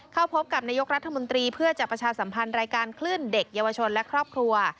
เข้าพบกับนายกรัฐมนตรีเพื่อจะประชาสัมพันธ์รายการคลื่นเด็กเยาวชนและครอบครัว